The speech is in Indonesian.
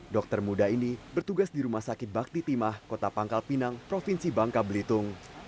dokter muda ini bertugas di rumah sakit bakti timah kota pangkal pinang provinsi bangka belitung